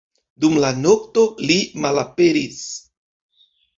Dum la nokto, li malaperis.